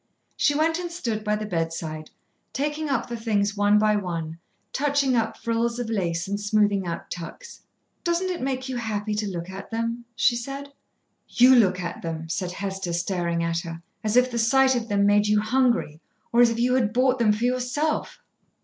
She went and stood by the bedside, taking up the things one by one, touching up frills of lace and smoothing out tucks. "Doesn't it make you happy to look at them?" she said. "You look at them," said Hester, staring at her, "as if the sight of them made you hungry, or as if you had bought them for yourself."